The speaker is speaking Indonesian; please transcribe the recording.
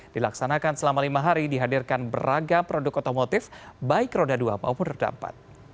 dilaksanakan selama lima hari dihadirkan beragam produk otomotif baik roda dua maupun roda empat